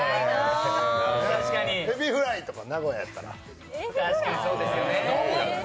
えびフライとか、名古屋だったら。